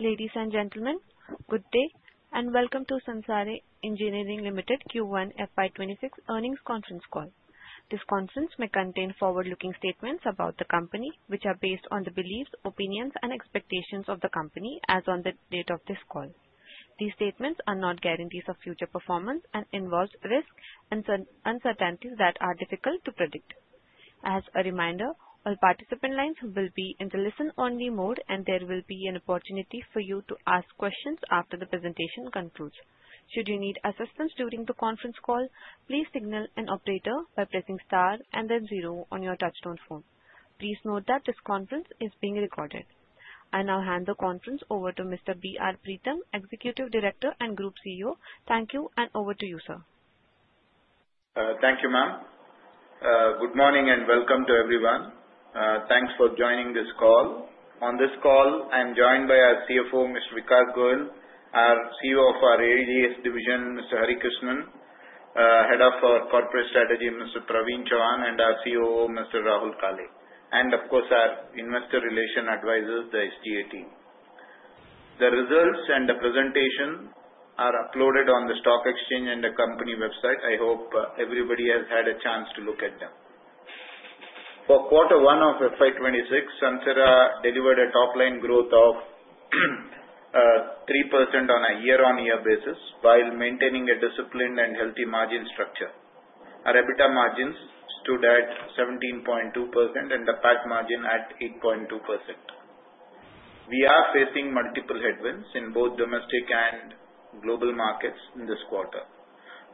Ladies and gentlemen, good day and welcome to Sansera Engineering Limited Q1 FY26 earnings conference call. This conference may contain forward-looking statements about the company, which are based on the beliefs, opinions, and expectations of the company as of the date of this call. These statements are not guarantees of future performance and involve risks and uncertainties that are difficult to predict. As a reminder, all participant lines will be in the listen-only mode, and there will be an opportunity for you to ask questions after the presentation concludes. Should you need assistance during the conference call, please signal an operator by pressing star and then zero on your touchstone phone. Please note that this conference is being recorded. I now hand the conference over to Mr. B. R. Preetham, Executive Director and Group CEO. Thank you, and over to you, sir. Thank you, ma'am. Good morning and welcome to everyone. Thanks for joining this call. On this call, I'm joined by our CFO, Mr. Vikas Goel, our CEO of our ADS division, Mr. Hari Krishnan, Head of our Corporate Strategy, Mr. Praveen Chauhan, and our COO, Mr. Rahul Kale, and of course, our Investor Relations Advisor, the SGA team. The results and the presentation are uploaded on the stock exchange and the company website. I hope everybody has had a chance to look at them. For quarter one of FY26, Sansera delivered a top-line growth of 3% on a year-on-year basis while maintaining a disciplined and healthy margin structure. Our EBITDA margins stood at 17.2% and the PAT margin at 8.2%. We are facing multiple headwinds in both domestic and global markets in this quarter,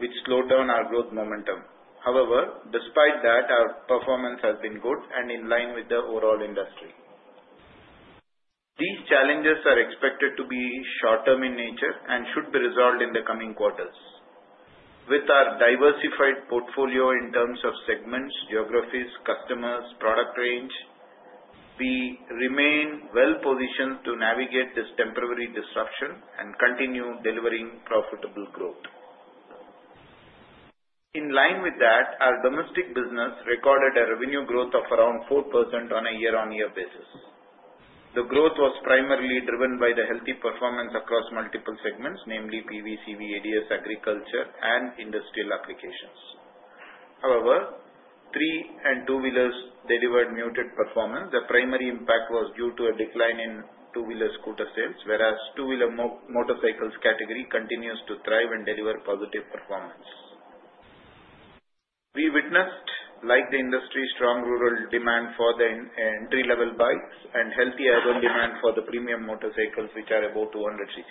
which slowed down our growth momentum. However, despite that, our performance has been good and in line with the overall industry. These challenges are expected to be short-term in nature and should be resolved in the coming quarters. With our diversified portfolio in terms of segments, geographies, customers, and product range, we remain well-positioned to navigate this temporary disruption and continue delivering profitable growth. In line with that, our domestic business recorded a revenue growth of around 4% on a year-on-year basis. The growth was primarily driven by the healthy performance across multiple segments, namely PV, CV, ADS, agriculture, and industrial applications. However, three- and two-wheelers delivered muted performance. The primary impact was due to a decline in two-wheeler scooter sales, whereas the two-wheeler motorcycles category continues to thrive and deliver positive performance. We witnessed, like the industry, strong rural demand for the entry-level bikes and healthy urban demand for the premium motorcycles, which are about 200 cc.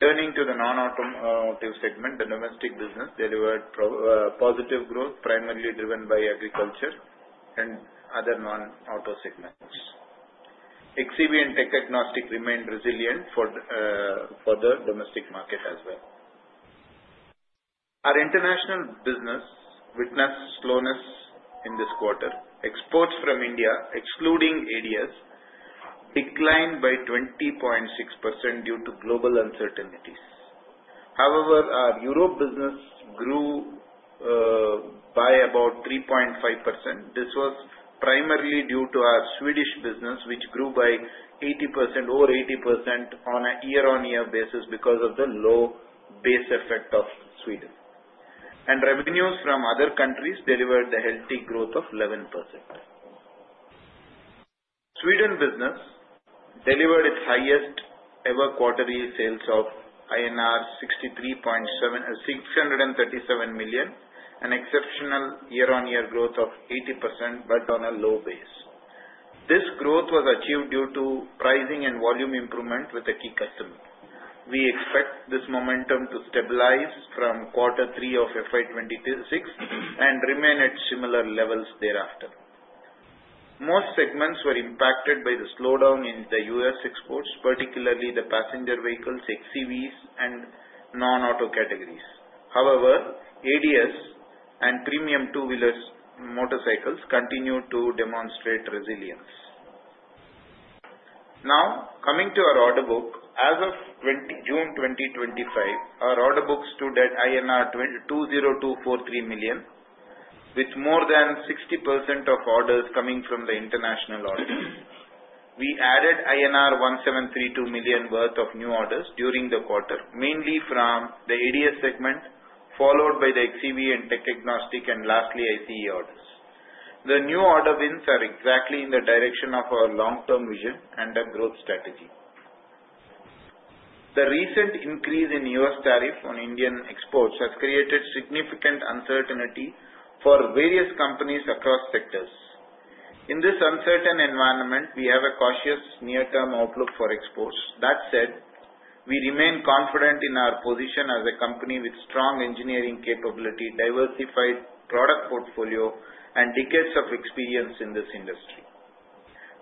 Turning to the non-automotive segment, the domestic business delivered positive growth, primarily driven by agriculture and other non-auto segments. xEV and Tech Agnostic remained resilient for the domestic market as well. Our international business witnessed slowness in this quarter. Exports from India, excluding ADS, declined by 20.6% due to global uncertainties. However, our Europe business grew by about 3.5%. This was primarily due to our Swedish business, which grew by over 80% on a year-on-year basis because of the low base effect of Sweden, and revenues from other countries delivered a healthy growth of 11%. Swedish business delivered its highest ever quarterly sales of 637 million, an exceptional year-on-year growth of 80%, but on a low base. This growth was achieved due to pricing and volume improvement with a key customer. We expect this momentum to stabilize from quarter three of FY26 and remain at similar levels thereafter. Most segments were impacted by the slowdown in the U.S. exports, particularly the passenger vehicles, xEVs, and non-auto categories. However, ADS and premium two-wheeler motorcycles continued to demonstrate resilience. Now, coming to our order book, as of June 2025, our order book stood at INR 202,403 million, with more than 60% of orders coming from the international orders. We added INR 1,732 million worth of new orders during the quarter, mainly from the ADS segment, followed by the xEV and Tech Agnostic, and lastly, ICE orders. The new order wins are exactly in the direction of our long-term vision and our growth strategy. The recent increase in U.S. tariffs on Indian exports has created significant uncertainty for various companies across sectors. In this uncertain environment, we have a cautious near-term outlook for exports. That said, we remain confident in our position as a company with strong engineering capability, a diversified product portfolio, and decades of experience in this industry.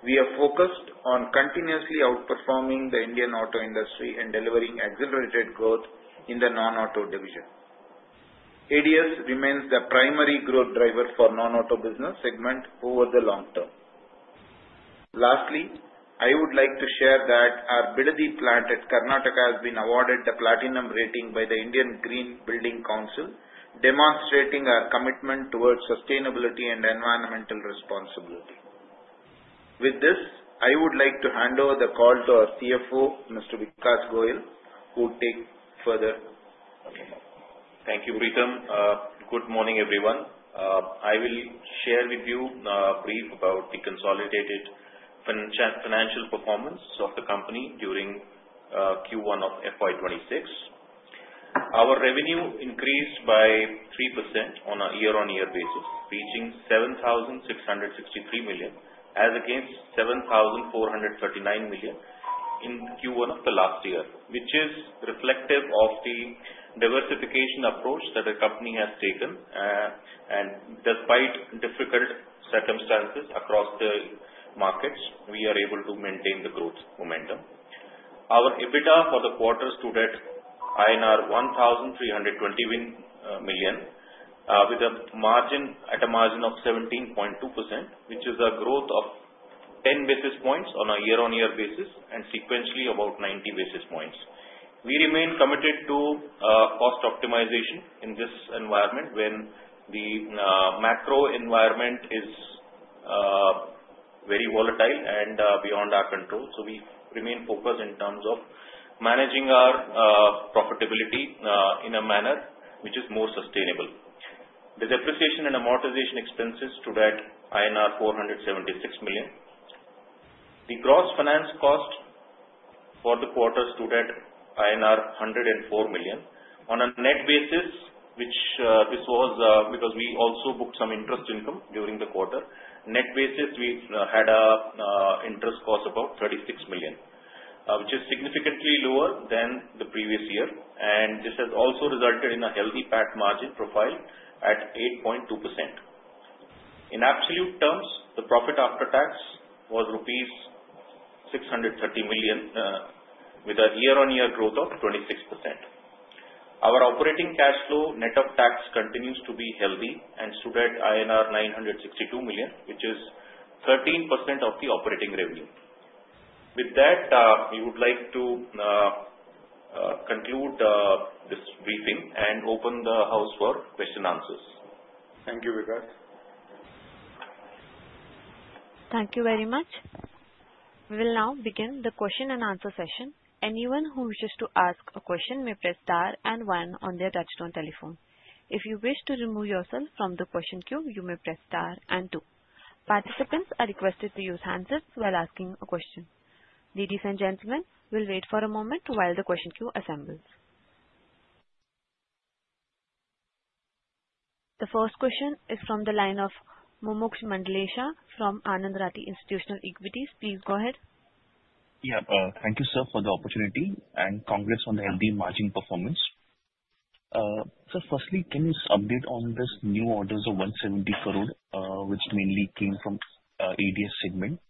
We are focused on continuously outperforming the Indian auto industry and delivering accelerated growth in the non-auto division. ADS remains the primary growth driver for the non-auto business segment over the long term. Lastly, I would like to share that our Bidadi plant in Karnataka has been awarded the Platinum rating by the Indian Green Building Council, demonstrating our commitment towards sustainability and environmental responsibility. With this, I would like to hand over the call to our CFO, Mr. Vikas Goel, who will take further action. Thank you, Preetham. Good morning, everyone. I will share with you a brief about the consolidated financial performance of the company during Q1 of FY26. Our revenue increased by 3% on a year-on-year basis, reaching 7,663 million as against 7,439 million in Q1 of the last year, which is reflective of the diversification approach that the company has taken. Despite difficult circumstances across the markets, we are able to maintain the growth momentum. Our EBITDA for the quarter stood at INR 1,320 million, with a margin of 17.2%, which is a growth of 10 basis points on a year-on-year basis and sequentially about 90 basis points. We remain committed to cost optimization in this environment when the macro environment is very volatile and beyond our control. We remain focused in terms of managing our profitability in a manner which is more sustainable. The depreciation and amortization expenses stood at INR 476 million. The gross finance cost for the quarter stood at INR 104 million. On a net basis, this was because we also booked some interest income during the quarter. Net basis, we had an interest cost of about 36 million, which is significantly lower than the previous year, and this has also resulted in a healthy PAT margin profile at 8.2%. In absolute terms, the profit after tax was rupees 630 million, with a year-on-year growth of 26%. Our operating cash flow net of tax continues to be healthy and stood at INR 962 million, which is 13% of the operating revenue. With that, we would like to conclude this briefing and open the house for question answers. Thank you, Vikas. Thank you very much. We will now begin the question and answer session. Anyone who wishes to ask a question may press star and one on their touch-tone telephone. If you wish to remove yourself from the question queue, you may press star and two. Participants are requested to use handsets while asking a question. Ladies and gentlemen, we'll wait for a moment while the question queue assembles. The first question is from the line of Mumuksh Mandlesha from Anand Rathi Institutional Equities. Please go ahead. Yeah, thank you, sir, for the opportunity and congrats on the healthy margin performance. Sir, firstly, can you update on this new orders of 170 crore, which mainly came from ADS segment?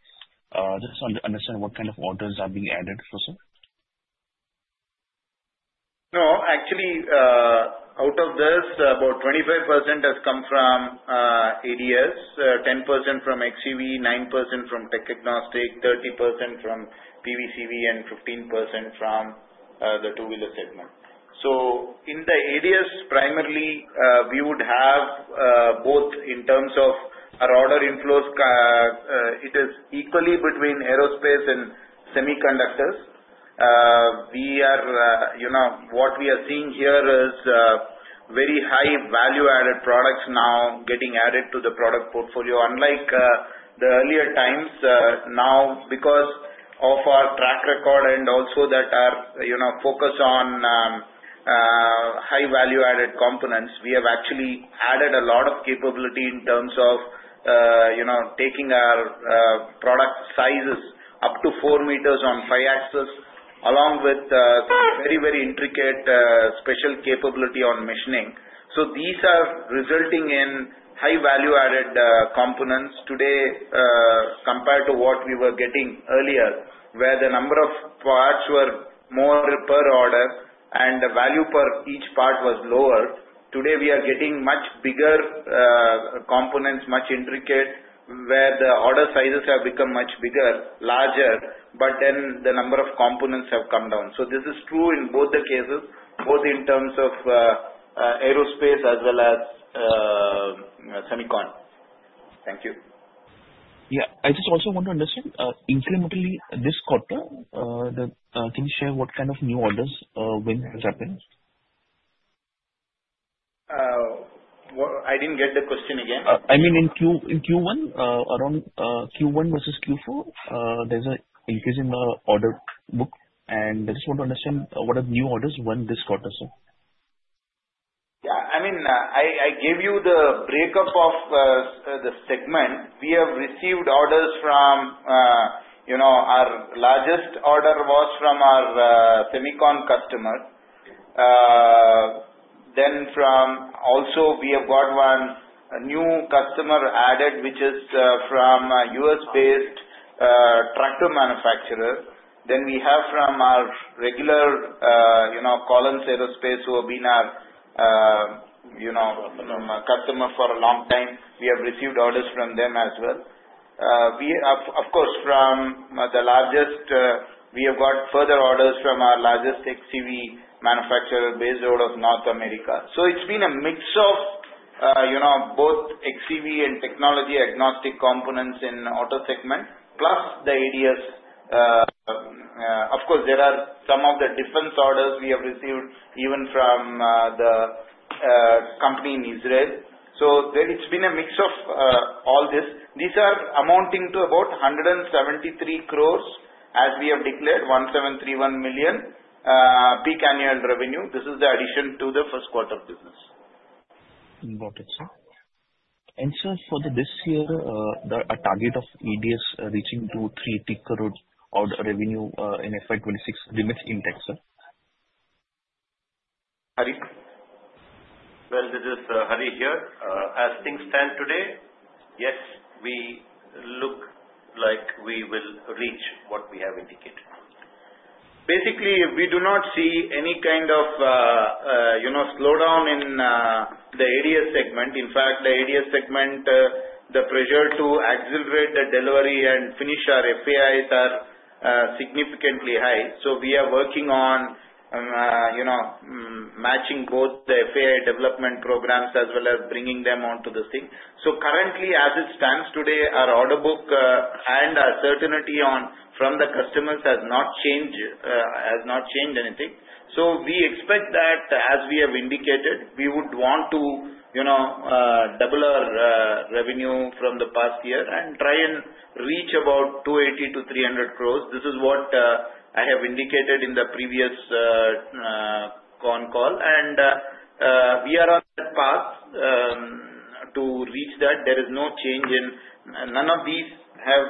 Just understand what kind of orders are being added for, sir? No, actually, out of this, about 25% has come from ADS, 10% from xEV, 9% from Tech Agnostic, 30% from PV, CV, and 15% from the two-wheeler segment. So in the ADS, primarily, we would have both in terms of our order inflows; it is equally between aerospace and semiconductors. What we are seeing here is very high value-added products now getting added to the product portfolio. Unlike the earlier times, now, because of our track record and also that our focus on high value-added components, we have actually added a lot of capability in terms of taking our product sizes up to four meters on five axes, along with very, very intricate special capability on machining. So these are resulting in high value-added components today compared to what we were getting earlier, where the number of parts were more per order and the value per each part was lower. Today, we are getting much bigger components, much intricate, where the order sizes have become much bigger, larger, but then the number of components have come down. So this is true in both the cases, both in terms of aerospace as well as semiconductors. Thank you. Yeah, I just also want to understand, incrementally, this quarter, can you share what kind of new orders when this happened? I didn't get the question again. I mean, in Q1, around Q1 versus Q4, there's an increase in the order book. And I just want to understand what are the new orders when this quarter, sir? Yeah, I mean, I gave you the breakup of the segment. We have received orders from our largest order was from our semiconductor customer. Then also, we have got one new customer added, which is from a U.S-based tractor manufacturer. Then we have from our regular Collins Aerospace, who ha.ve been our customer for a long time. We have received orders from them as well. Of course, from the largest, we have got further orders from our largest xEV manufacturer based out of North America. So it's been a mix of both xEV and technology agnostic components in the auto segment, plus the ADS. Of course, there are some of the defense orders we have received even from the company in Israel. So it's been a mix of all this. These are amounting to about 173 crore, as we have declared, 1,731 million peak annual revenue. This is the addition to the first quarter of business. Got it, sir. And sir, for this year, the target of ADS reaching 230 crore order revenue in FY26 limits intake, sir? Hari? Well, this is Hari here. As things stand today, yes, we look like we will reach what we have indicated. Basically, we do not see any kind of slowdown in the ADS segment. In fact, the ADS segment, the pressure to accelerate the delivery and finish our FAIs are significantly high. So we are working on matching both the FAI development programs as well as bringing them onto the thing. So currently, as it stands today, our order book and our certainty from the customers has not changed anything. So we expect that, as we have indicated, we would want to double our revenue from the past year and try and reach about 280-300 crore. This is what I have indicated in the previous con call. We are on the path to reach that. There is no change. None of these have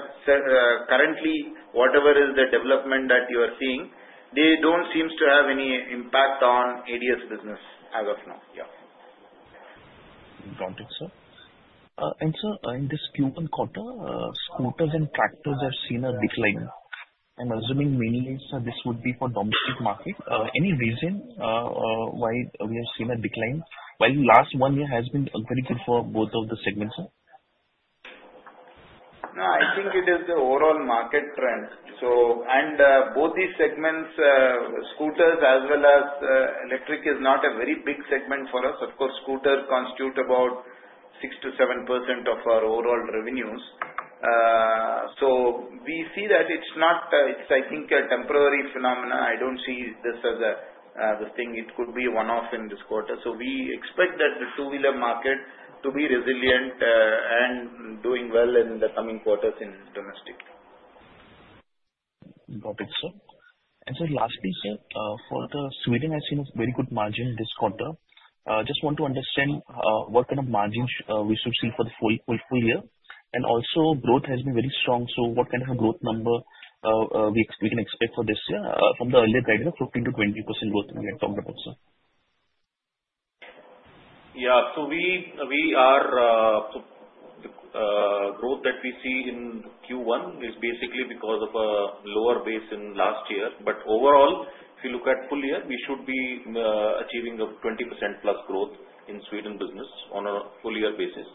currently, whatever is the development that you are seeing, they don't seem to have any impact on ADS business as of now. Yeah. Got it, sir. And sir, in this Q1 quarter, scooters and tractors have seen a decline. I'm assuming mainly, sir, this would be for the domestic market. Any reason why we have seen a decline while last one year has been very good for both of the segments, sir? No, I think it is the overall market trend. And both these segments, scooters as well as electric, is not a very big segment for us. Of course, scooter constitutes about 6%-7% of our overall revenues. So we see that it's not, I think, a temporary phenomenon. I don't see this as a thing. It could be one-off in this quarter. So we expect that the two-wheeler market to be resilient and doing well in the coming quarters in domestic. Got it, sir. And sir, lastly, sir, for the Sweden, I've seen a very good margin this quarter. Just want to understand what kind of margins we should see for the full year. And also, growth has been very strong. So what kind of a growth number we can expect for this year from the earlier guidance of 15%-20% growth that we had talked about, sir? Yeah, so the growth that we see in Q1 is basically because of a lower base in last year. But overall, if you look at full year, we should be achieving a 20% plus growth in Sweden business on a full-year basis.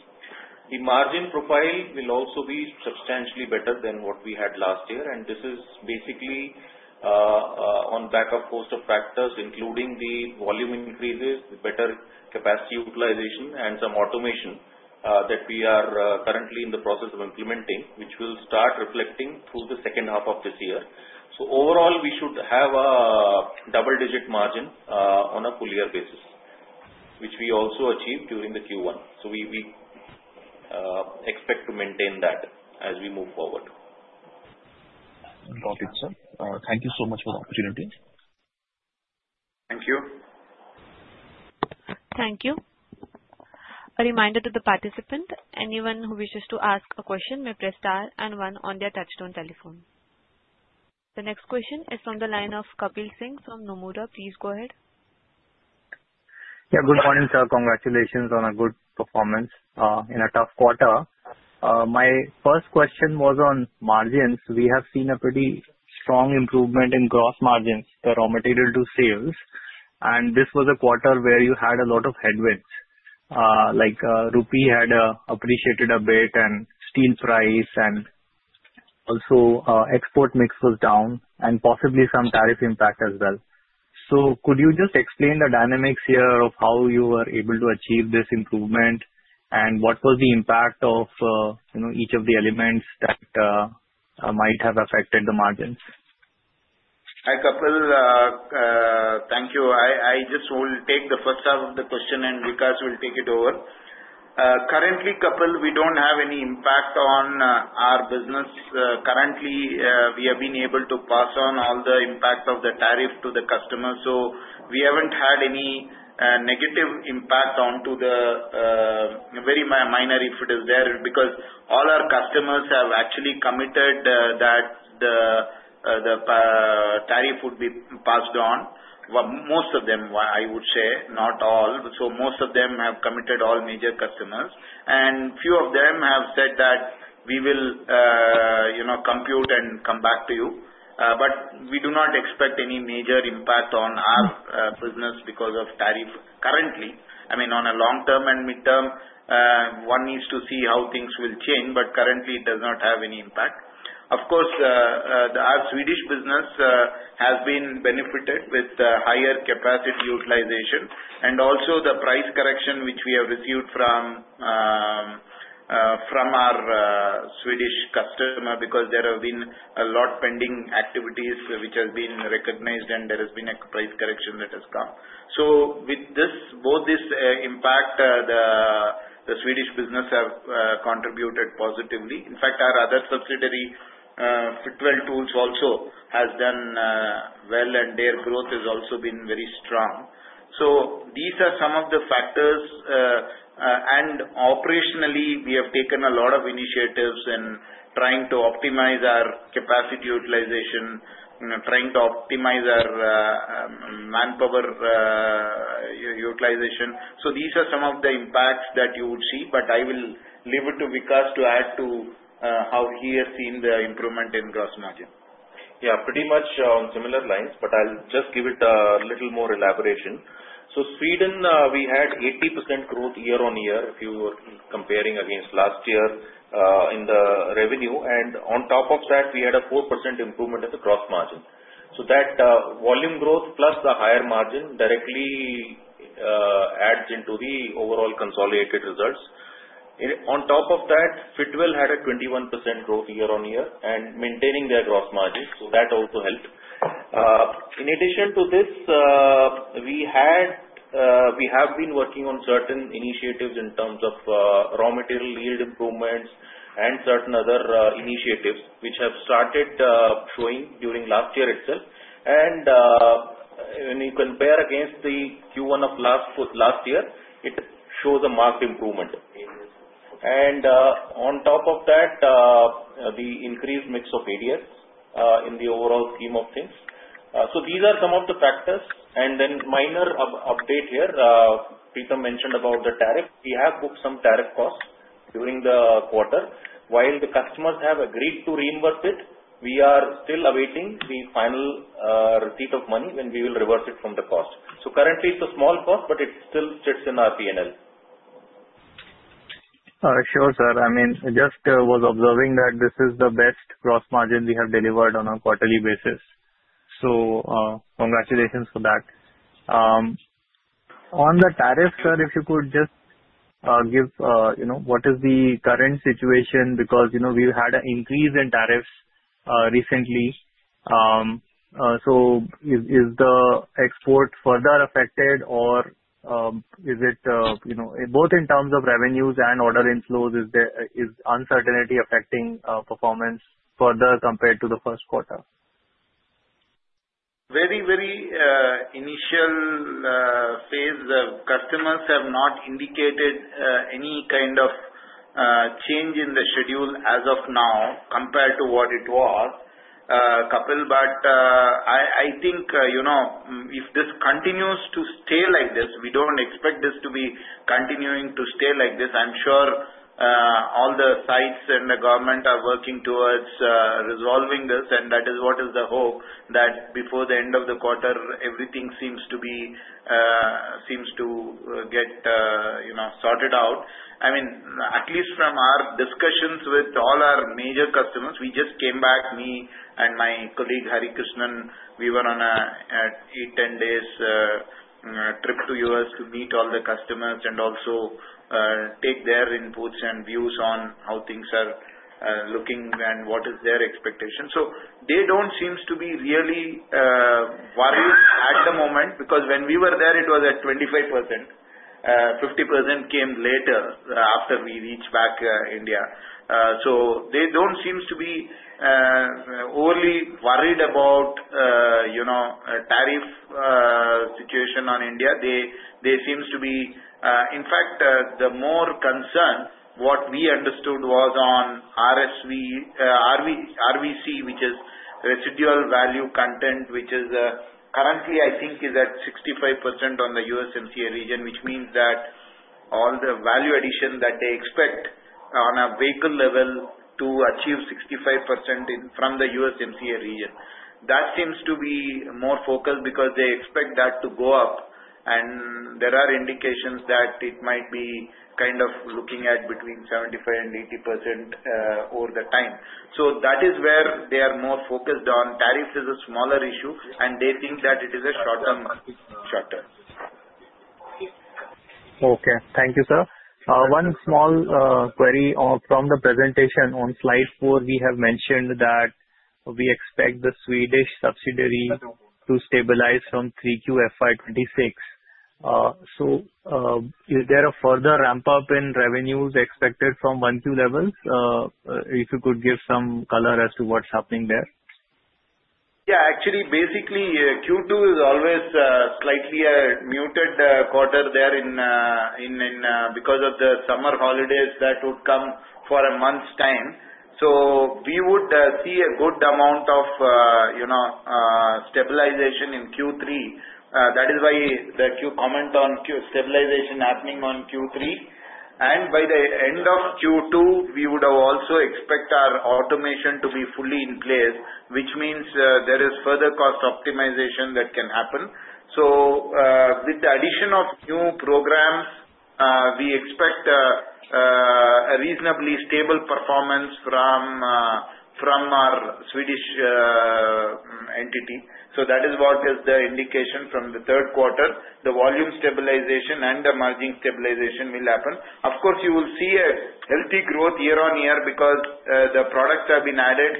The margin profile will also be substantially better than what we had last year. And this is basically on the back of a host of factors, including the volume increases, the better capacity utilization, and some automation that we are currently in the process of implementing, which will start reflecting through the second half of this year. So overall, we should have a double-digit margin on a full-year basis, which we also achieved during the Q1. So we expect to maintain that as we move forward. Got it, sir. Thank you so much for the opportunity. Thank you. Thank you. A reminder to the participants, anyone who wishes to ask a question may press star and one on their touch-tone telephone. The next question is from the line of Kapil Singh from Nomura. Please go ahead. Yeah, good morning, sir. Congratulations on a good performance in a tough quarter. My first question was on margins. We have seen a pretty strong improvement in gross margins, the raw material to sales. And this was a quarter where you had a lot of headwinds. Rupee had appreciated a bit and steel price and also export mix was down and possibly some tariff impact as well. So could you just explain the dynamics here of how you were able to achieve this improvement and what was the impact of each of the elements that might have affected the margins? Hi, Kapil. Thank you. I just will take the first half of the question and Vikas will take it over. Currently, Kapil, we don't have any impact on our business. Currently, we have been able to pass on all the impact of the tariff to the customers. So we haven't had any negative impact onto the very minor, if it is there, because all our customers have actually committed that the tariff would be passed on. Most of them, I would say, not all. So most of them have committed all major customers. And few of them have said that we will compute and come back to you. But we do not expect any major impact on our business because of tariff currently. I mean, on a long term and mid term, one needs to see how things will change. But currently, it does not have any impact. Of course, our Swedish business has been benefited with higher capacity utilization and also the price correction which we have received from our Swedish customer because there have been a lot of pending activities which have been recognized and there has been a price correction that has come. So with this, both this impact, the Swedish business, have contributed positively. In fact, our other subsidiary Fitwel Tools also has done well and their growth has also been very strong. So these are some of the factors and operationally, we have taken a lot of initiatives in trying to optimize our capacity utilization, trying to optimize our manpower utilization. So these are some of the impacts that you would see, but I will leave it to Vikas to add to how he has seen the improvement in gross margin. Yeah, pretty much on similar lines, but I'll just give it a little more elaboration. Sweden, we had 80% growth year on year if you were comparing against last year in the revenue. On top of that, we had a 4% improvement in the gross margin. That volume growth plus the higher margin directly adds into the overall consolidated results. On top of that, Fitwel had a 21% growth year on year and maintaining their gross margin. That also helped. In addition to this, we have been working on certain initiatives in terms of raw material yield improvements and certain other initiatives which have started showing during last year itself. When you compare against the Q1 of last year, it shows a marked improvement. On top of that, the increased mix of ADS in the overall scheme of things. So these are some of the factors. And then minor update here, Preetham mentioned about the tariff. We have booked some tariff costs during the quarter. While the customers have agreed to reimburse it, we are still awaiting the final receipt of money when we will reverse it from the cost. So currently, it's a small cost, but it still sits in our P&L. Sure, sir. I mean, just was observing that this is the best gross margin we have delivered on a quarterly basis. So congratulations for that. On the tariff, sir, if you could just give what is the current situation because we've had an increase in tariffs recently. So is the export further affected or is it both in terms of revenues and order inflows, is uncertainty affecting performance further compared to the first quarter? Very, very initial phase, the customers have not indicated any kind of change in the schedule as of now compared to what it was, Kapil. But I think if this continues to stay like this, we don't expect this to be continuing to stay like this. I'm sure all the sites and the government are working towards resolving this. And that is what is the hope that before the end of the quarter, everything seems to get sorted out. I mean, at least from our discussions with all our major customers, we just came back, me and my colleague Hari Krishnan. We were on an eight to 10 days trip to U.S. to meet all the customers and also take their inputs and views on how things are looking and what is their expectation. They don't seem to be really worried at the moment because when we were there, it was at 25%. 50% came later after we reached back India. They don't seem to be overly worried about tariff situation on India. They seem to be, in fact, more concerned. What we understood was on RVC, which is Regional Value Content, which is currently, I think, at 65% on the USMCA region, which means that all the value addition that they expect on a vehicle level to achieve 65% from the USMCA region. That seems to be more focused because they expect that to go up. There are indications that it might be kind of looking at between 75% and 80% over the time. That is where they are more focused on. Tariff is a smaller issue, and they think that it is a short-term market. Okay. Thank you, sir. One small query from the presentation. On slide four, we have mentioned that we expect the Swedish subsidiary to stabilize from 3Q FY26. So is there a further ramp-up in revenues expected from 1Q levels? If you could give some color as to what's happening there. Yeah, actually, basically, Q2 is always slightly a muted quarter there because of the summer holidays that would come for a month's time. So we would see a good amount of stabilization in Q3. That is why the Q3 comment on stabilization happening on Q3. And by the end of Q2, we would also expect our automation to be fully in place, which means there is further cost optimization that can happen. So with the addition of new programs, we expect a reasonably stable performance from our Swedish entity. So that is what is the indication from the third quarter. The volume stabilization and the margin stabilization will happen. Of course, you will see a healthy growth year on year because the products have been added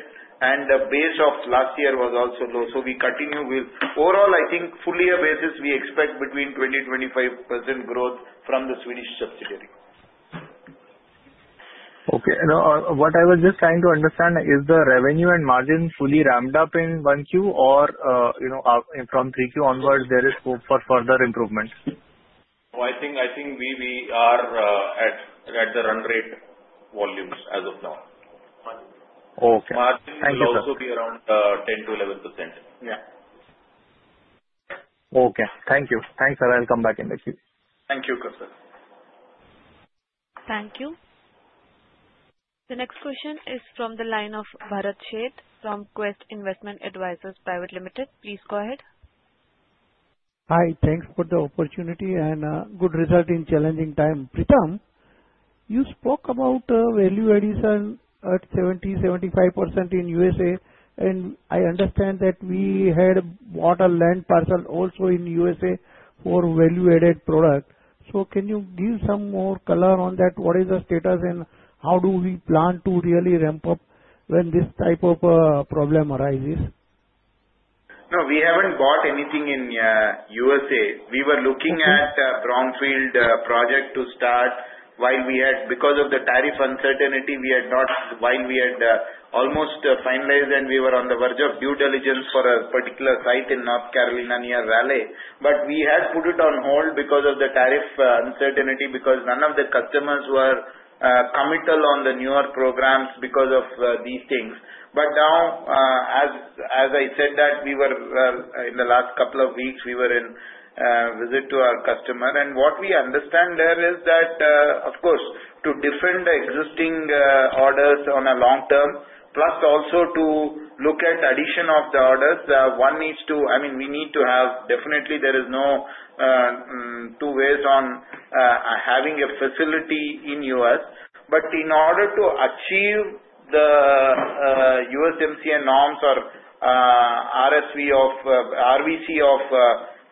and the base of last year was also low. So, we continue with overall, I think, full-year basis, we expect between 20%-25% growth from the Swedish subsidiary. Okay. What I was just trying to understand is the revenue and margin fully ramped up in 1Q or from 3Q onwards, there is hope for further improvements? Oh, I think we are at the run rate volumes as of now. Okay. Thank you, sir. Margins will also be around 10%-11%. Yeah. Okay. Thank you. Thanks, sir. I'll come back in the Q. Thank you, Kapil Singh. Thank you. The next question is from the line of Bharat Sheth from Quest Investment Advisors Private Limited. Please go ahead. Hi. Thanks for the opportunity and good result in challenging time. Preetham, you spoke about value addition at 70%-75% in USA, and I understand that we had bought a land parcel also in USA for value-added product, so can you give some more color on that? What is the status and how do we plan to really ramp up when this type of problem arises? No, we haven't bought anything in USA. We were looking at a brownfield project to start, but because of the tariff uncertainty, we had not, while we had almost finalized and we were on the verge of due diligence for a particular site in North Carolina near Raleigh, but we had put it on hold because of the tariff uncertainty, as none of the customers were committal on the newer programs because of these things. Now, as I said, in the last couple of weeks, we were on a visit to our customer. And what we understand there is that, of course, to defend the existing orders on a long term, plus also to look at addition of the orders, one needs to, I mean, we need to have. Definitely, there is no two ways on having a facility in U.S. In order to achieve the USMCA norms or RVC of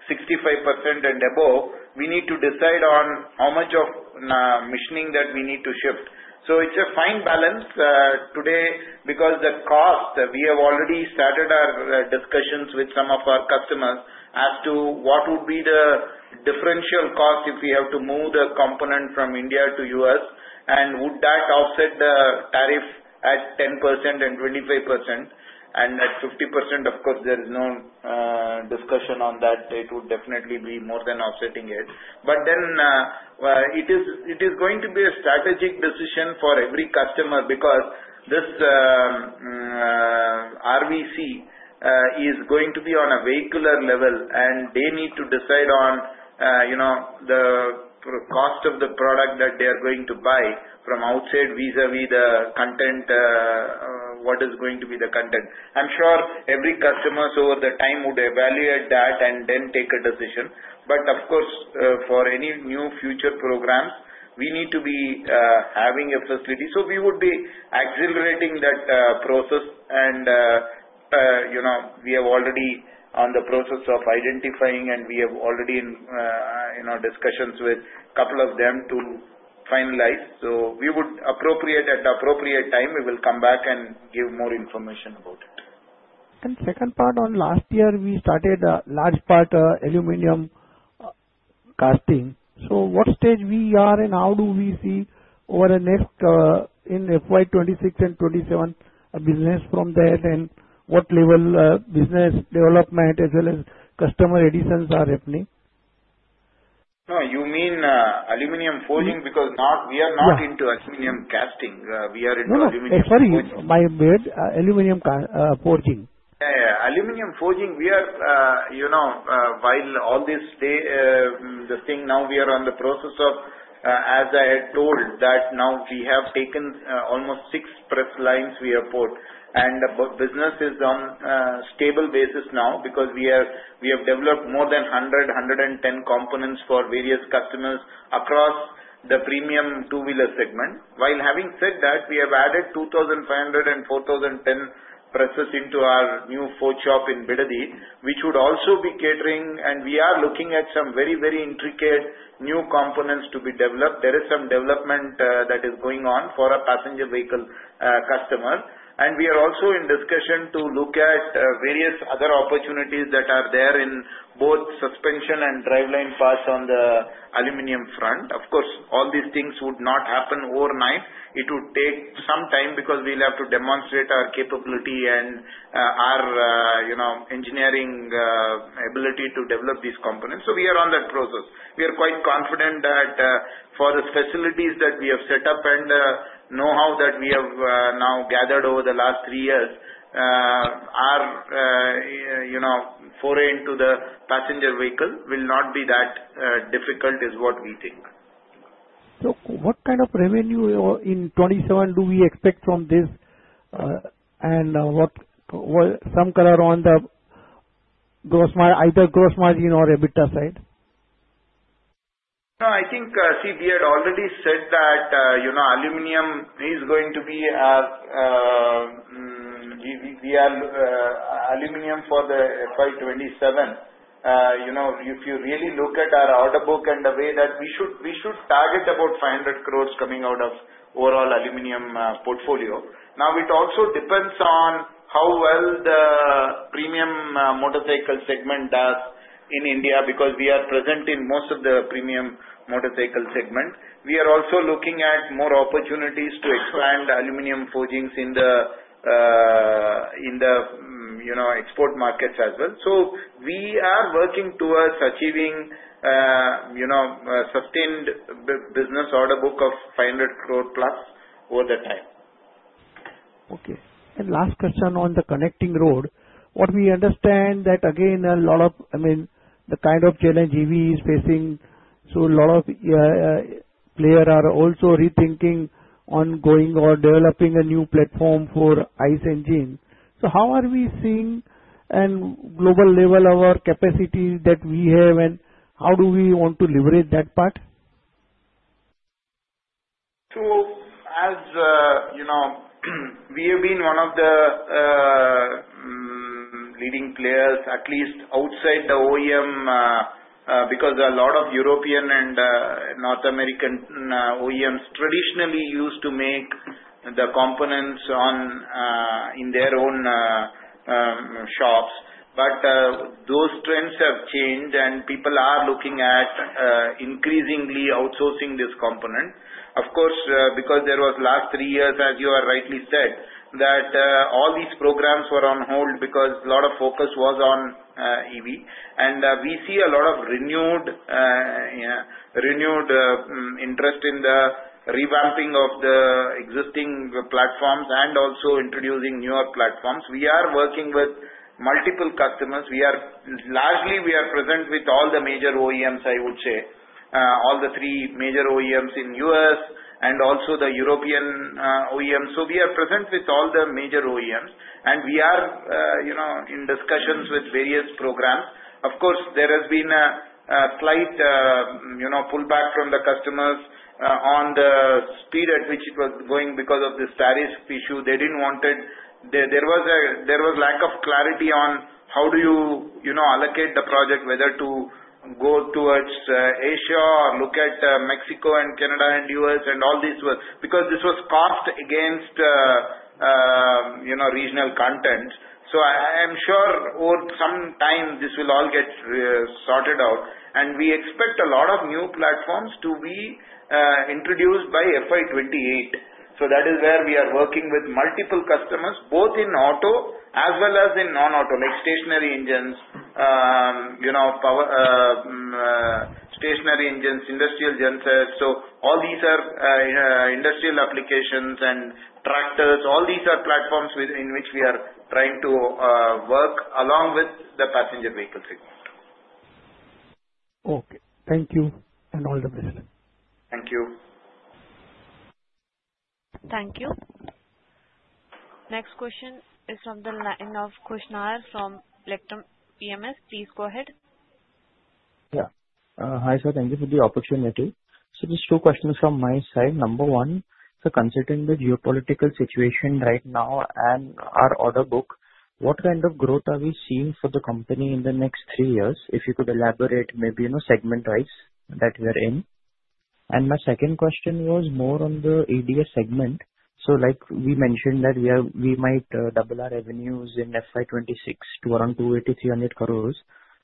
65% and above, we need to decide on how much of machining that we need to shift. It's a fine balance today because the cost, we have already started our discussions with some of our customers as to what would be the differential cost if we have to move the component from India to U.S. and would that offset the tariff at 10% and 25%. At 50%, of course, there is no discussion on that. It would definitely be more than offsetting it. But then it is going to be a strategic decision for every customer because this RVC is going to be on a vehicular level and they need to decide on the cost of the product that they are going to buy from outside vis-à-vis the content, what is going to be the content. I'm sure every customer over time would evaluate that and then take a decision. But of course, for any new future programs, we need to be having a facility. So we would be accelerating that process. And we are already in the process of identifying and we have already been in discussions with a couple of them to finalize. So we would announce at appropriate time, we will come back and give more information about it. Second part, on last year, we started a large part aluminum casting. So what stage we are and how do we see over the next in FY26 and 27 business from there and what level business development as well as customer additions are happening? No, you mean aluminum forging because we are not into aluminum casting. We are into aluminum forging. Sorry, my bad, Aluminum Forging. Yeah, yeah. Aluminum forging, we are while all this staying the thing now we are in the process of, as I had told, that now we have taken almost six press lines we have put. And the business is on stable basis now because we have developed more than 100-110 components for various customers across the premium two-wheeler segment. While having said that, we have added 2,500 and 4,010 presses into our new forge shop in Bidadi, which would also be catering. And we are looking at some very, very intricate new components to be developed. There is some development that is going on for a passenger vehicle customer. And we are also in discussion to look at various other opportunities that are there in both suspension and driveline parts on the aluminum front. Of course, all these things would not happen overnight. It would take some time because we'll have to demonstrate our capability and our engineering ability to develop these components. So we are on that process. We are quite confident that for the facilities that we have set up and know-how that we have now gathered over the last three years, our foray into the passenger vehicle will not be that difficult, is what we think. What kind of revenue in 27 do we expect from this, and what's some color on either gross margin or EBITDA side? No, I think, see, we had already said that aluminum is going to be we are aluminum for the FY27. If you really look at our order book and the way that we should target about 500 crore coming out of overall aluminum portfolio. Now, it also depends on how well the premium motorcycle segment does in India because we are present in most of the premium motorcycle segment. We are also looking at more opportunities to expand aluminum forgings in the export markets as well. So we are working towards achieving sustained business order book of 500 crore plus over the time. Okay. And last question on the connecting rod. What we understand that, again, a lot of I mean, the kind of challenge EV is facing. So a lot of players are also rethinking on going or developing a new platform for ICE engine. So how are we seeing and global level of our capacity that we have and how do we want to leverage that part? So as we have been one of the leading players, at least outside the OEM, because a lot of European and North American OEMs traditionally used to make the components in their own shops. But those trends have changed and people are looking at increasingly outsourcing this component. Of course, because there was last three years, as you have rightly said, that all these programs were on hold because a lot of focus was on EV. And we see a lot of renewed interest in the revamping of the existing platforms and also introducing newer platforms. We are working with multiple customers. Largely, we are present with all the major OEMs, I would say, all the three major OEMs in U.S. and also the European OEMs. So we are present with all the major OEMs. And we are in discussions with various programs. Of course, there has been a slight pullback from the customers on the speed at which it was going because of the static issue. They didn't want it. There was a lack of clarity on how do you allocate the project, whether to go towards Asia or look at Mexico and Canada and U.S. and all these because this was cost against regional content. So I am sure over some time, this will all get sorted out. And we expect a lot of new platforms to be introduced by FY28. So that is where we are working with multiple customers, both in auto as well as in non-auto, like stationary engines, industrial gensets. So all these are industrial applications and tractors. All these are platforms in which we are trying to work along with the passenger vehicle segment. Okay. Thank you and all the best. Thank you. Thank you. Next question is from the line of Khush Nahar from Electrum PMS. Please go ahead. Yeah. Hi, sir. Thank you for the opportunity. So just two questions from my side. Number one, so considering the geopolitical situation right now and our order book, what kind of growth are we seeing for the company in the next three years? If you could elaborate, maybe segment-wise that we are in. And my second question was more on the ADS segment. So we mentioned that we might double our revenues in FY26 to around 280-300 crores.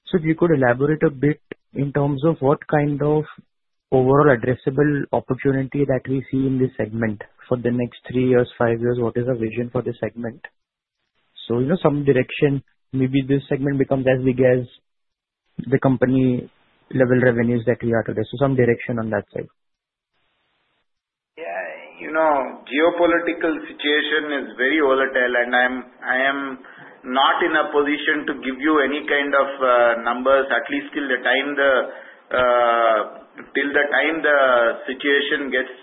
So if you could elaborate a bit in terms of what kind of overall addressable opportunity that we see in this segment for the next three years, five years, what is our vision for the segment? So some direction, maybe this segment becomes as big as the company-level revenues that we are today. So some direction on that side. Yeah. Geopolitical situation is very volatile, and I am not in a position to give you any kind of numbers, at least till the time the situation gets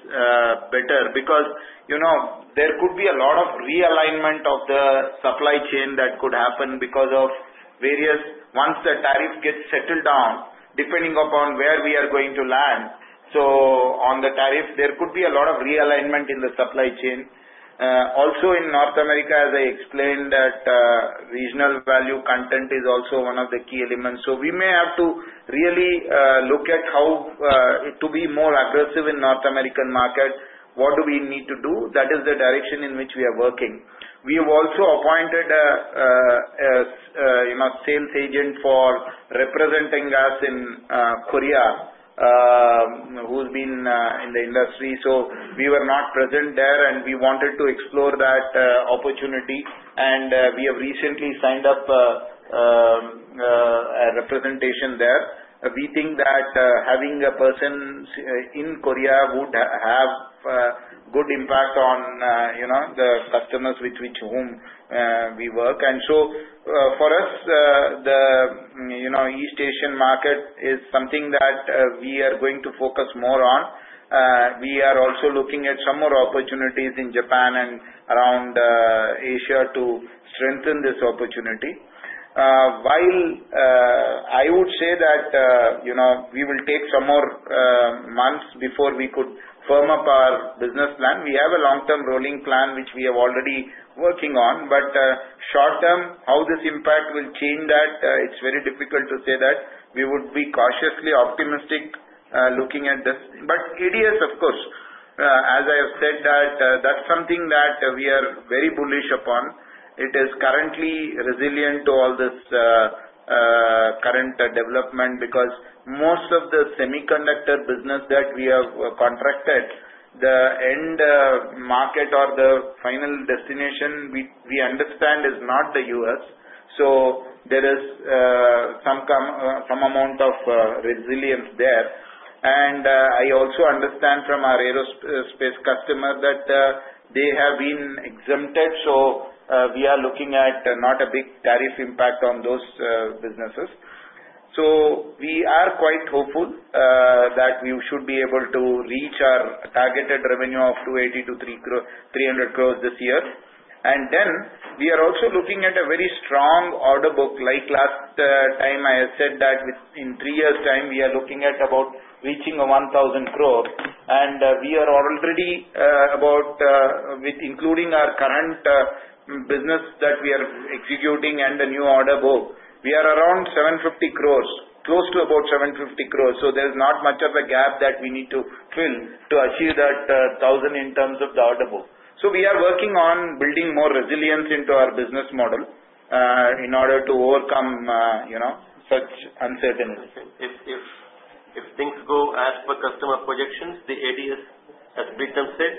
better because there could be a lot of realignment of the supply chain that could happen because of various once the tariff gets settled down, depending upon where we are going to land. So on the tariff, there could be a lot of realignment in the supply chain. Also in North America, as I explained, that regional value content is also one of the key elements. So we may have to really look at how to be more aggressive in North American market. What do we need to do? That is the direction in which we are working. We have also appointed a sales agent for representing us in Korea who's been in the industry. So we were not present there, and we wanted to explore that opportunity. And we have recently signed up a representation there. We think that having a person in Korea would have good impact on the customers with which we work. And so for us, the East Asian market is something that we are going to focus more on. We are also looking at some more opportunities in Japan and around Asia to strengthen this opportunity. While I would say that we will take some more months before we could firm up our business plan. We have a long-term rolling plan, which we have already working on. But short term, how this impact will change that, it's very difficult to say that. We would be cautiously optimistic looking at this. But ADS, of course, as I have said, that's something that we are very bullish upon. It is currently resilient to all this current development because most of the semiconductor business that we have contracted, the end market or the final destination, we understand is not the U.S. So there is some amount of resilience there. And I also understand from our aerospace customer that they have been exempted. So we are looking at not a big tariff impact on those businesses. So we are quite hopeful that we should be able to reach our targeted revenue of 280-300 crores this year. And then we are also looking at a very strong order book. Like last time, I have said that in three years' time, we are looking at about reaching 1,000 crores. And we are already about with including our current business that we are executing and the new order book, we are around 750 crores, close to about 750 crores. So there's not much of a gap that we need to fill to achieve that 1,000 in terms of the order book. So we are working on building more resilience into our business model in order to overcome such uncertainty. If things go as per customer projections, the ADS, as Preetham said,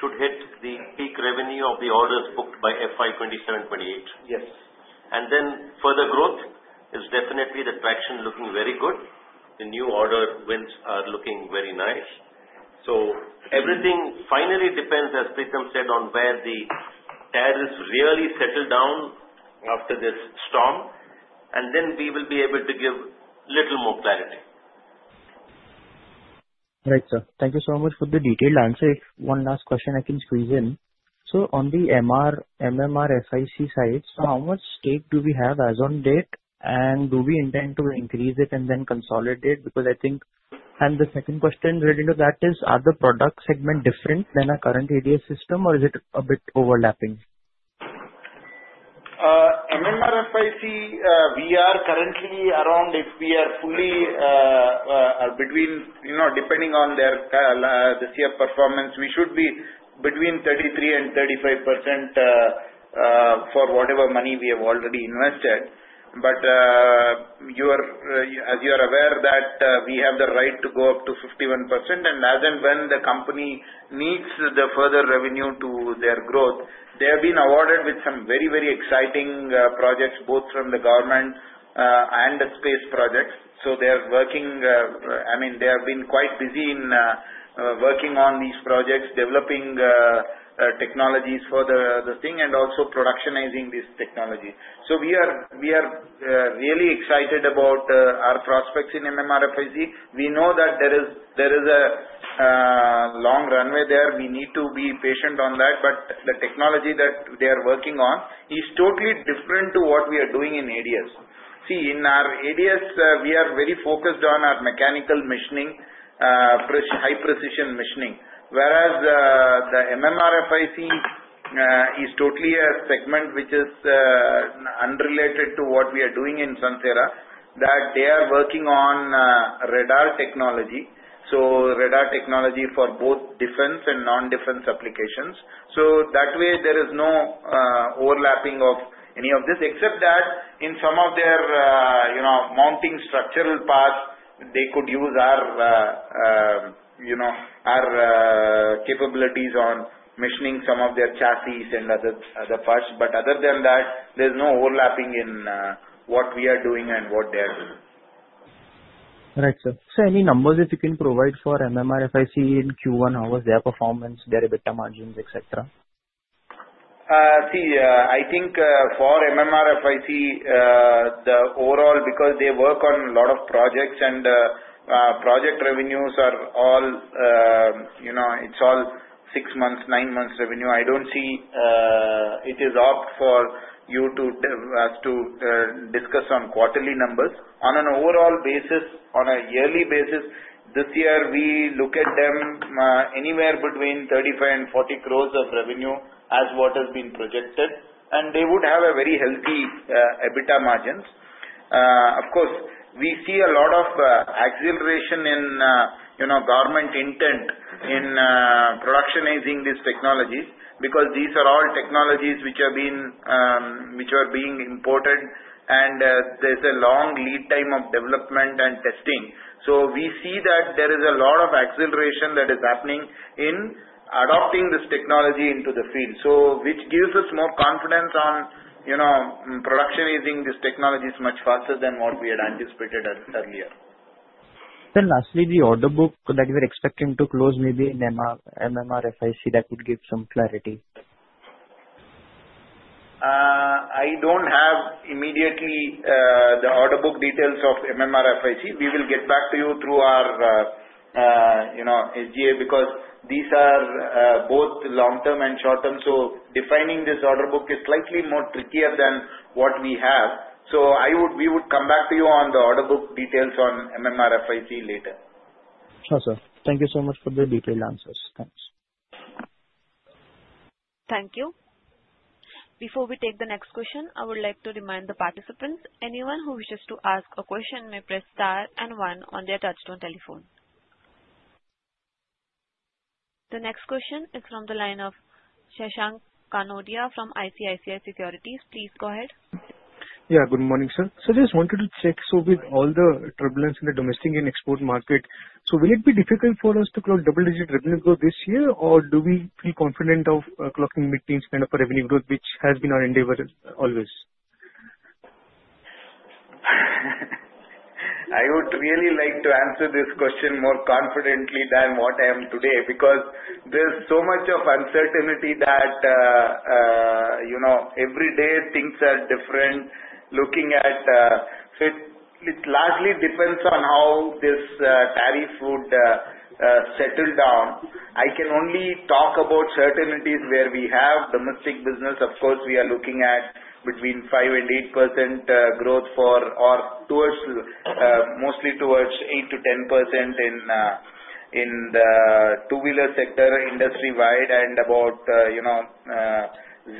should hit the peak revenue of the orders booked by FY27/28. And then further growth is definitely the traction looking very good. The new order wins are looking very nice. So everything finally depends, as Preetham said, on where the tariffs really settle down after this storm. And then we will be able to give a little more clarity. All right, sir. Thank you so much for the detailed answer. One last question I can squeeze in. So on the MMRFIC side, so how much stake do we have as on date? And do we intend to increase it and then consolidate? Because I think, and the second question related to that is, are the product segment different than our current ADS system, or is it a bit overlapping? MMRFIC, we are currently around, if we are fully between depending on their this year performance, we should be between 33%-35% for whatever money we have already invested. But as you are aware, that we have the right to go up to 51%. And as and when the company needs the further revenue to their growth, they have been awarded with some very, very exciting projects, both from the government and space projects. So they are working, I mean, they have been quite busy in working on these projects, developing technologies for the thing, and also productionizing these technologies. So we are really excited about our prospects in MMRFIC. We know that there is a long runway there. We need to be patient on that. But the technology that they are working on is totally different to what we are doing in ADS. See, in our ADS, we are very focused on our mechanical machining, high precision machining. Whereas the MMRFIC is totally a segment which is unrelated to what we are doing in Sansera, that they are working on radar technology, so radar technology for both defense and non-defense applications. So that way, there is no overlapping of any of this, except that in some of their mounting structural parts, they could use our capabilities on machining some of their chassis and other parts, but other than that, there's no overlapping in what we are doing and what they are doing. All right, sir. So any numbers that you can provide for MMRFIC in Q1, how was their performance, their EBITDA margins, et cetera? See, I think for MMRFIC, the overall, because they work on a lot of projects and project revenues are all, it's all six months, nine months revenue. I don't see it is up for you to us to discuss on quarterly numbers. On an overall basis, on a yearly basis, this year, we look at them anywhere between 35 and 40 crores of revenue as what has been projected. And they would have a very healthy EBITDA margins. Of course, we see a lot of acceleration in government intent in productionizing these technologies because these are all technologies which are being imported, and there's a long lead time of development and testing. So we see that there is a lot of acceleration that is happening in adopting this technology into the field, which gives us more confidence on productionizing these technologies much faster than what we had anticipated earlier. Then lastly, the order book that you are expecting to close, maybe MMRFIC, that would give some clarity. I don't have immediately the order book details of MMRFIC. We will get back to you through our SGA because these are both long-term and short-term. So defining this order book is slightly more trickier than what we have. So we would come back to you on the order book details on MMRFIC later. Sure, sir. Thank you so much for the detailed answers. Thanks. Thank you. Before we take the next question, I would like to remind the participants, anyone who wishes to ask a question may press star and one on their touch-tone telephone. The next question is from the line of Shashank Kanodia from ICICI Securities. Please go ahead. Yeah, good morning, sir. Just wanted to check. With all the turbulence in the domestic and export market, will it be difficult for us to close double-digit revenue growth this year, or do we feel confident of clocking mid-teens kind of revenue growth, which has been our endeavor always? I would really like to answer this question more confidently than what I am today because there's so much of uncertainty that every day things are different. Looking at it, it largely depends on how this tariff would settle down. I can only talk about certainities where we have domestic business. Of course, we are looking at between 5% and 8% growth for or mostly towards 8% to 10% in the two-wheeler sector industry-wide and about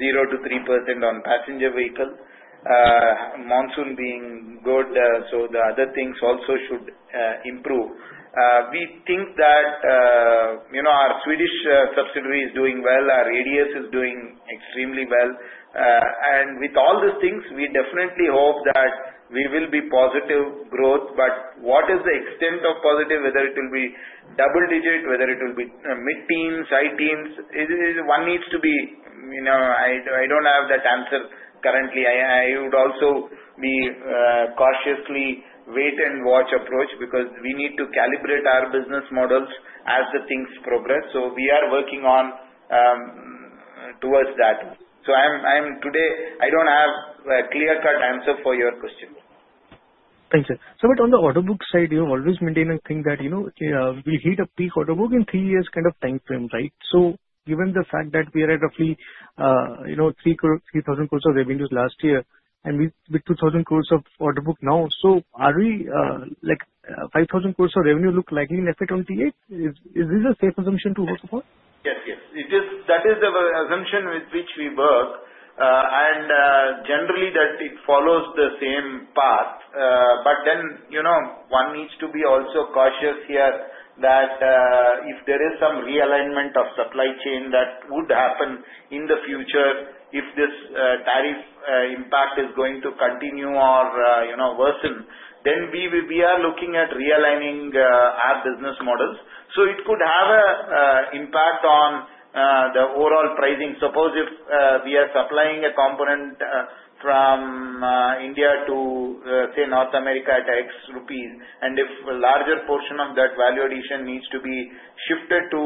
0% to 3% on passenger vehicle. Monsoon being good, so the other things also should improve. We think that our Swedish subsidiary is doing well. Our ADS is doing extremely well. And with all these things, we definitely hope that we will be positive growth. But what is the extent of positive, whether it will be double-digit, whether it will be mid-teens, high-teens? One needs to be. I don't have that answer currently. I would also be cautiously wait and watch approach because we need to calibrate our business models as the things progress. So we are working on towards that. So today, I don't have a clear-cut answer for your question. Thank you. So on the order book side, you have always maintained a thing that we hit a peak order book in three years kind of time frame, right? So given the fact that we are at roughly 3,000 crores of revenues last year and with 2,000 crores of order book now, so are we 5,000 crores of revenue look likely in FY28? Is this a safe assumption to work upon? Yes, yes. That is the assumption with which we work. And generally, that it follows the same path. But then one needs to be also cautious here that if there is some realignment of supply chain that would happen in the future, if this tariff impact is going to continue or worsen, then we are looking at realigning our business models. So it could have an impact on the overall pricing. Suppose if we are supplying a component from India to, say, North America at X rupees, and if a larger portion of that value addition needs to be shifted to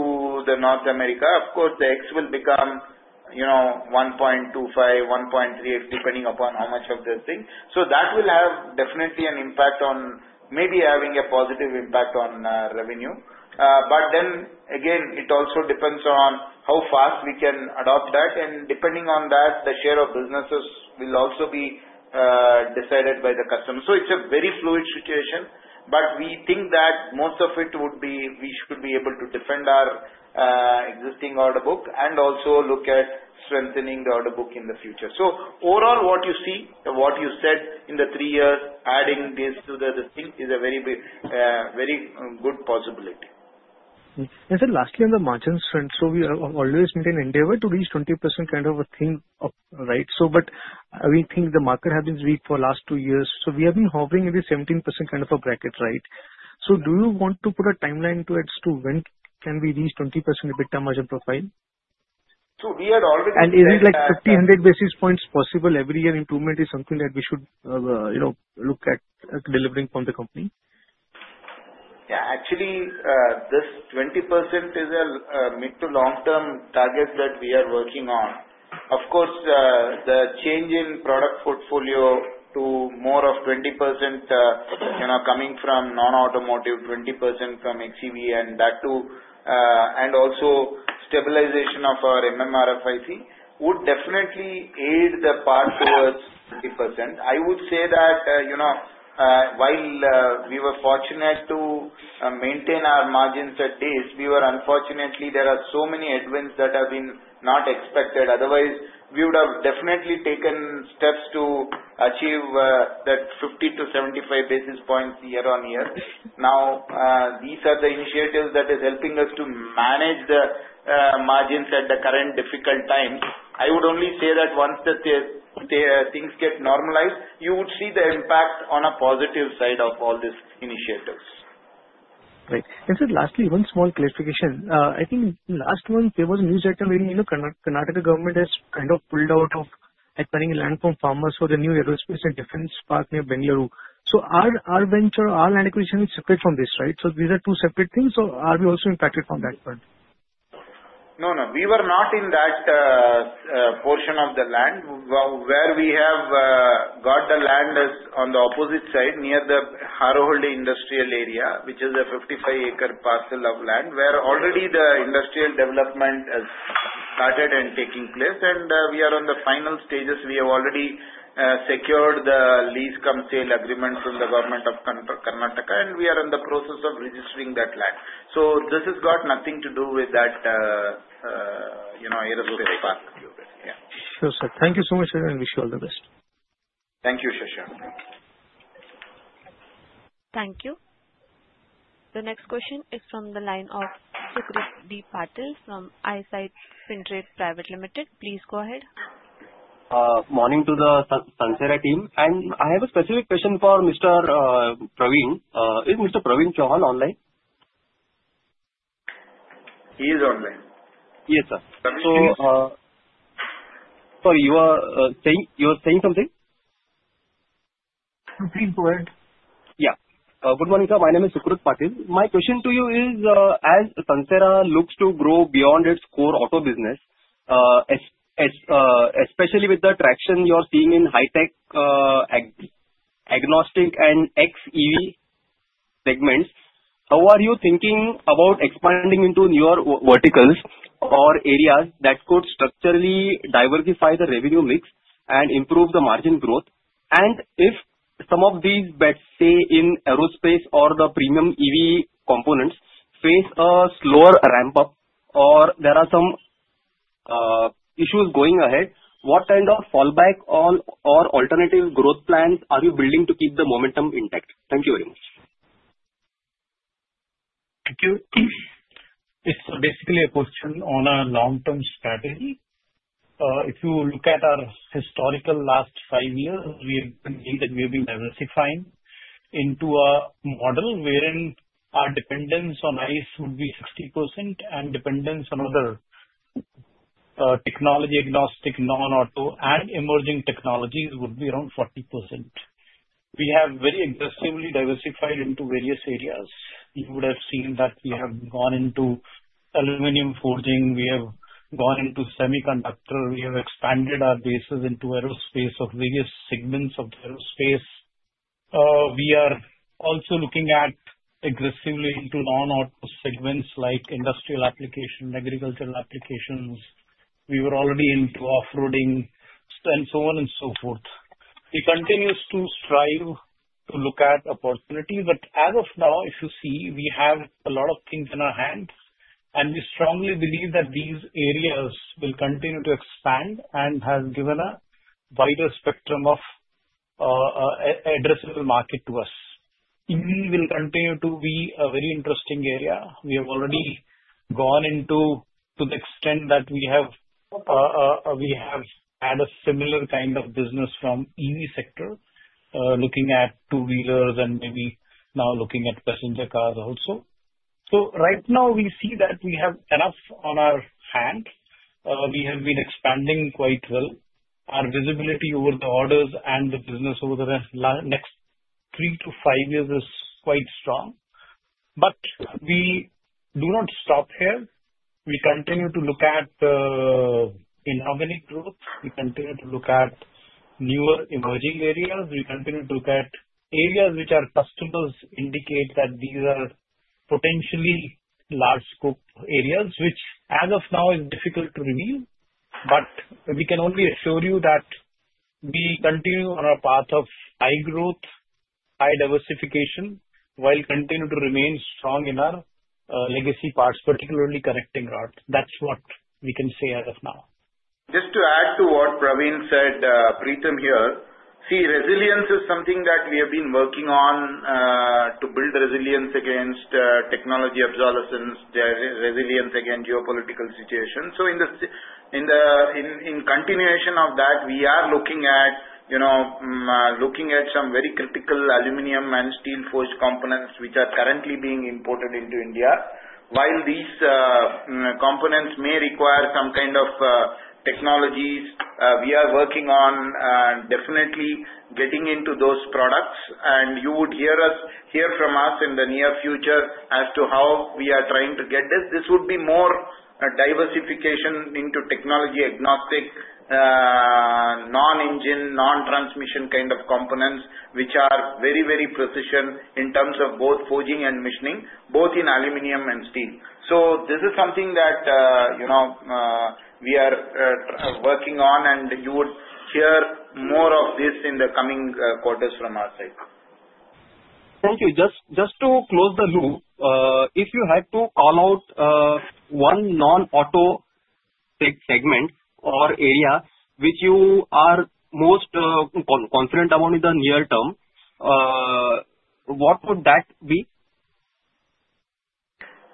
North America, of course, the X will become 1.25, 1.38, depending upon how much of the thing. So that will have definitely an impact on maybe having a positive impact on revenue. But then again, it also depends on how fast we can adopt that. Depending on that, the share of businesses will also be decided by the customer. So it's a very fluid situation. But we think that most of it would be we should be able to defend our existing order book and also look at strengthening the order book in the future. So overall, what you see, what you said in the three years, adding this to the thing is a very good possibility. Yes, and lastly, on the margin strength, so we have always made an endeavor to reach 20% kind of a thing, right? But we think the market has been weak for the last two years. So we have been hovering in the 17% kind of a bracket, right? So do you want to put a timeline to it as to when can we reach 20% EBITDA margin profile? We had already seen. Is it like 50, 100 basis points possible every year? Improvement is something that we should look at delivering from the company. Yeah. Actually, this 20% is a mid- to long-term target that we are working on. Of course, the change in product portfolio to more of 20% coming from non-automotive, 20% from HCV, and also stabilization of our MMRFIC would definitely aid the path towards 20%. I would say that while we were fortunate to maintain our margins at this, we were unfortunately, there are so many events that have been not expected. Otherwise, we would have definitely taken steps to achieve that 50-75 basis points year on year. Now, these are the initiatives that are helping us to manage the margins at the current difficult times. I would only say that once the things get normalized, you would see the impact on a positive side of all these initiatives. Right. And sir, lastly, one small clarification. I think last month, there was a news item where Karnataka government has kind of pulled out of acquiring land from farmers for the new aerospace and defense park near Bengaluru. So our venture, our land acquisition is separate from this, right? So these are two separate things. So are we also impacted from that point? No, no. We were not in that portion of the land where we have got the land on the opposite side near the Harohalli industrial area, which is a 55-acre parcel of land where already the industrial development has started and taken place, and we are on the final stages. We have already secured the lease-cum-sale agreement from the government of Karnataka, and we are in the process of registering that land, so this has got nothing to do with that aerospace park. Sure, sir. Thank you so much, sir, and wish you all the best. Thank you, Shashank. Thank you. The next question is from the line of Sigrid Patil from InSync Capital Private Limited. Please go ahead. Morning to the Sansera team. And I have a specific question for Mr. Praveen. Is Mr. Praveen Chauhan online? He is online. Yes, sir. Sorry, you were saying something? Supreme Court. Yeah. Good morning, sir. My name is Sigrid Patil. My question to you is, as Sansera looks to grow beyond its core auto business, especially with the traction you are seeing in high-tech agnostic and xEV segments, how are you thinking about expanding into newer verticals or areas that could structurally diversify the revenue mix and improve the margin growth? And if some of these bets, say, in aerospace or the premium EV components face a slower ramp-up or there are some issues going ahead, what kind of fallback or alternative growth plans are you building to keep the momentum intact? Thank you very much. Thank you. It's basically a question on a long-term strategy. If you look at our historical last five years, we have been diversifying into a model wherein our dependence on ICE would be 60% and dependence on other technology-agnostic non-auto and emerging technologies would be around 40%. We have very aggressively diversified into various areas. You would have seen that we have gone into aluminum forging. We have gone into semiconductor. We have expanded our bases into aerospace or various segments of the aerospace. We are also looking at aggressively into non-auto segments like industrial application, agricultural applications. We were already into off-roading and so on and so forth. It continues to strive to look at opportunities. But as of now, if you see, we have a lot of things in our hands, and we strongly believe that these areas will continue to expand and have given a wider spectrum of addressable market to us. EV will continue to be a very interesting area. We have already gone to the extent that we have had a similar kind of business from EV sector, looking at two-wheelers and maybe now looking at passenger cars also. So right now, we see that we have enough on our hands. We have been expanding quite well. Our visibility over the orders and the business over the next three to five years is quite strong. But we do not stop here. We continue to look at inorganic growth. We continue to look at newer emerging areas. We continue to look at areas which our customers indicate that these are potentially large-scope areas, which as of now is difficult to reveal. But we can only assure you that we continue on our path of high growth, high diversification while continuing to remain strong in our legacy parts, particularly connecting rods. That's what we can say as of now. Just to add to what Praveen said pretty much here, see, resilience is something that we have been working on to build resilience against technology obsolescence, resilience against geopolitical situations. So in continuation of that, we are looking at some very critical aluminum and steel forged components, which are currently being imported into India. While these components may require some kind of technologies, we are working on definitely getting into those products. And you would hear from us in the near future as to how we are trying to get this. This would be more diversification into technology-agnostic, non-engine, non-transmission kind of components, which are very, very precision in terms of both forging and machining, both in aluminum and steel. So this is something that we are working on, and you would hear more of this in the coming quarters from our side. Thank you. Just to close the loop, if you had to call out one non-auto segment or area which you are most confident about in the near term, what would that be?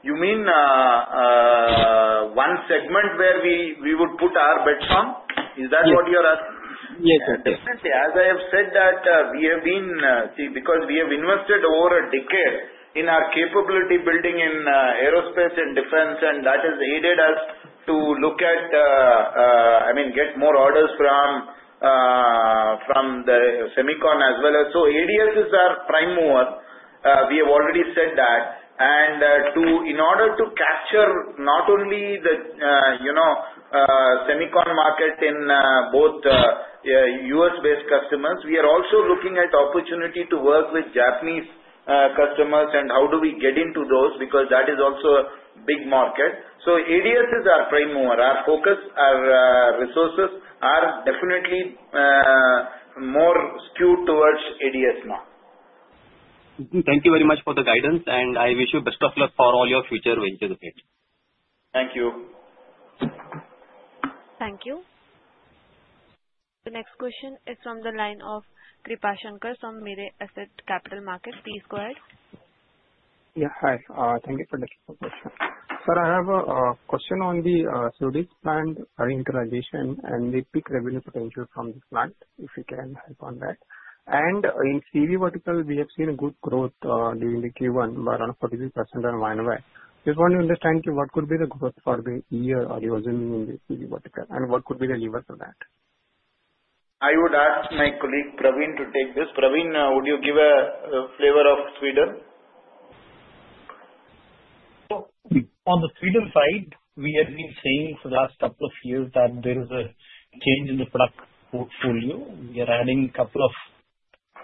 You mean one segment where we would put our bets on? Is that what you are asking? Yes, yes. As I have said, we have been seeing, because we have invested over a decade in our capability building in aerospace and defense, and that has aided us to look at, I mean, get more orders from the semicon as well, so ADS is our prime mover. We have already said that. In order to capture not only the semicon market from both U.S.-based customers, we are also looking at the opportunity to work with Japanese customers and how do we get into those because that is also a big market. So ADS is our prime mover. Our focus, our resources are definitely more skewed towards ADS now. Thank you very much for the guidance, and I wish you best of luck for all your future ventures ahead. Thank you. Thank you. The next question is from the line of Kripashankar from Mirae Asset Capital Markets. Please go ahead. Yeah, hi. Thank you for the question. Sir, I have a question on the expansion and the peak revenue potential from the plant if you can help on that. In CV vertical, we have seen good growth during the Q1 by around 43% on YoY. Just want to understand what could be the growth for the year are you assuming in the CV vertical and what could be the lever for that? I would ask my colleague Praveen to take this. Praveen, would you give a flavor of Sweden? So on the Sweden side, we have been saying for the last couple of years that there is a change in the product portfolio. We are adding a couple of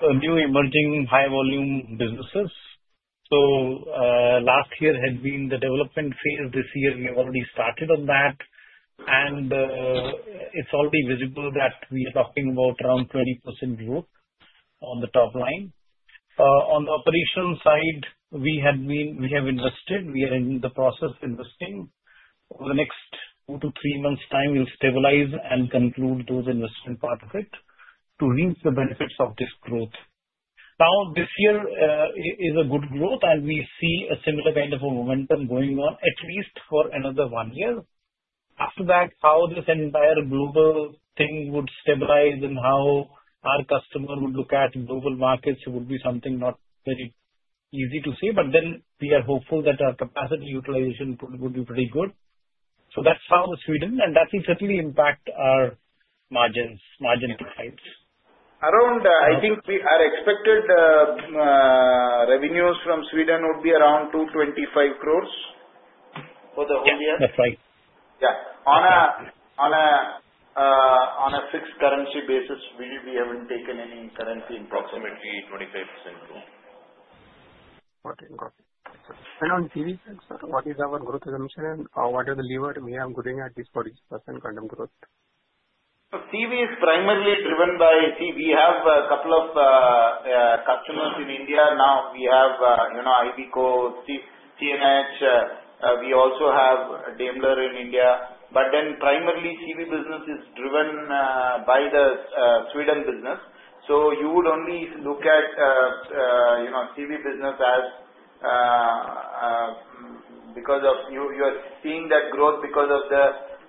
new emerging high-volume businesses. So last year had been the development phase. This year, we have already started on that. And it's already visible that we are talking about around 20% growth on the top line. On the operational side, we have invested. We are in the process of investing. Over the next two to three months' time, we'll stabilize and conclude those investment parts of it to reach the benefits of this growth. Now, this year is a good growth, and we see a similar kind of momentum going on at least for another one year. After that, how this entire global thing would stabilize and how our customer would look at global markets would be something not very easy to see. But then we are hopeful that our capacity utilization would be pretty good. So that's how Sweden, and that will certainly impact our margins. I think we are expected revenues from Sweden would be around 225 crore for the whole year. That's right. Yeah. On a fixed currency basis, we haven't taken any currency in proximity 25% growth. On CV, sir, what is our growth assumption and what is the lever we are going at this 40% quantum growth? So, CV is primarily driven by, see, we have a couple of customers in India. Now we have IVECO, CNH. We also have Daimler in India. But then, primarily, CV business is driven by the Sweden business. So, you would only look at CV business as because of you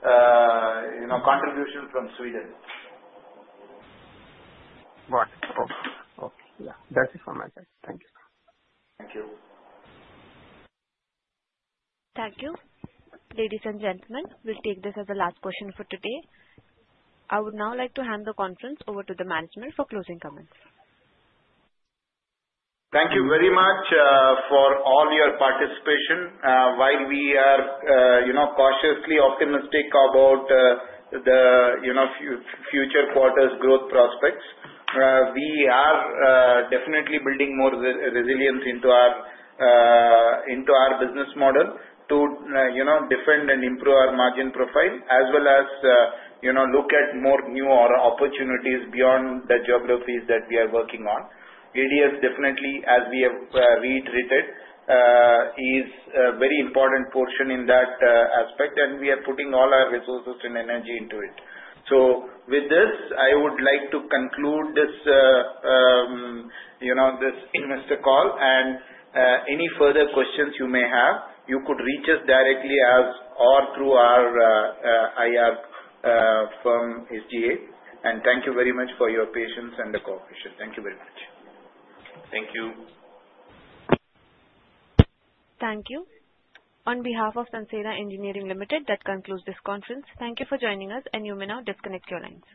are seeing that growth because of the contribution from Sweden. Right. Okay. Yeah. That's it for my side. Thank you. Thank you. Thank you. Ladies and gentlemen, we'll take this as the last question for today. I would now like to hand the conference over to the management for closing comments. Thank you very much for all your participation. While we are cautiously optimistic about the future quarter's growth prospects, we are definitely building more resilience into our business model to defend and improve our margin profile as well as look at more new opportunities beyond the geographies that we are working on. ADS, definitely, as we have reiterated, is a very important portion in that aspect, and we are putting all our resources and energy into it. So with this, I would like to conclude this investor call. And any further questions you may have, you could reach us directly or through our IR from SGA. And thank you very much for your patience and the cooperation. Thank you very much. Thank you. Thank you. On behalf of Sansera Engineering Limited, that concludes this conference. Thank you for joining us, and you may now disconnect your lines.